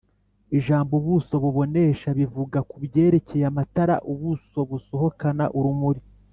ijambo’’ubuso bubonesha’’ bivuga ku byerekeye amatara, ubuso busohokana urumuri